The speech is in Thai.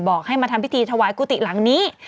ให้มาทำพิธีถวายกุฏิหลังนี้